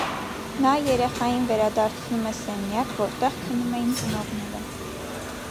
Նա երեխային վերադարձնում է սենյակ, որտեղ քնում էին ծնողները։